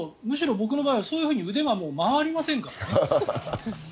僕の場合は腕がそういうふうに曲がりませんからね。